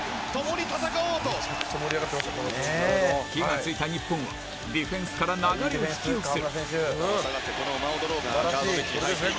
火が付いた日本はディフェンスから流れを引き寄せ。